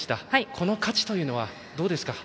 この価値というのはどうでしょうか。